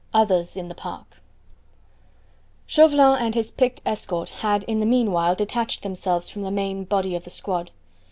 OTHERS IN THE PARK Chauvelin and his picked escort had in the meanwhile detached themselves from the main body of the squad.